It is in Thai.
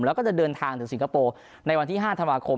แล้วก็จะเดินทางถึงสิงคโปร์ในวันที่๕ธันวาคม